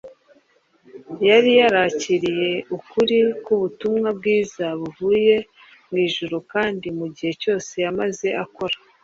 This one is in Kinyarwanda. Yari yarakiriye ukuri k’ubutumwa bwiza buvuye mu ijuru kandi mu gihe cyose yamaze akora